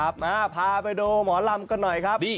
มาพาไปดูหมอลำกันหน่อยครับ